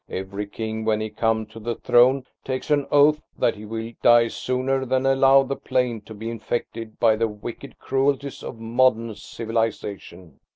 Every King when he comes to the throne takes an oath that he will die sooner than allow the plain to be infected by the wicked cruelties of modern civilisation."